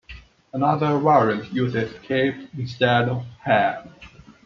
Another variant uses "keep" instead of "have".